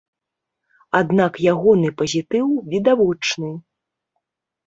Аднак ягоны пазітыў відавочны.